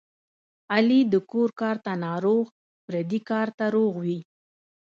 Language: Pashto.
علي د کور کار ته ناروغ پردي کار ته روغ وي.